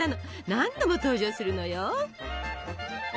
何度も登場するのよ。